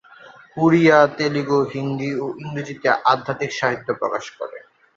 ওড়িয়া, তেলুগু, হিন্দি ও ইংরেজিতে আধ্যাত্মিক সাহিত্য প্রকাশ করে।